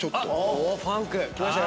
おファンク！きましたよ